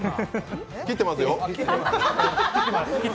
切ってますよ。